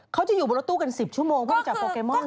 เขาจะอยู่บริการรถตู้กัน๑๐ชั่วโมงเพื่อจับโปเกมอนไงค่ะ